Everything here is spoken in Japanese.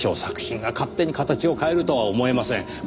作品が勝手に形を変えるとは思えません。